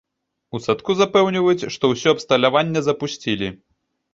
У садку запэўніваюць, што ўсё абсталяванне запусцілі.